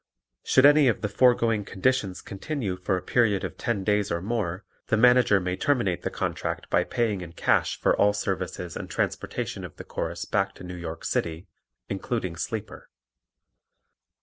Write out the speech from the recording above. Should any of the foregoing conditions continue for a period of ten days or more the Manager may terminate the contract by paying in cash for all services and transportation of the Chorus back to New York City, including sleeper.